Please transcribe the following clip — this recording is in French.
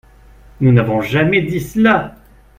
Nous n’avons jamais dit cela